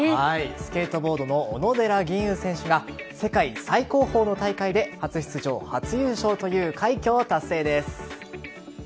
スケートボードの小野寺吟雲選手が世界最高峰の大会で初出場・初優勝という快挙を達成です。